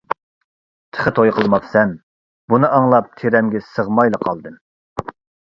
تېخى توي قىلماپسەن، بۇنى ئاڭلاپ تېرەمگە سىغمايلا قالدىم.